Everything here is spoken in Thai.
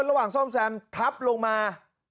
ระหว่างซ่อมแซมทำลงมา